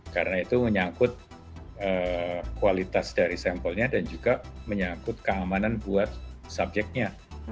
karena itu menyangkut kualitas dari sampelnya dan juga menyangkut keamanan buat subjeknya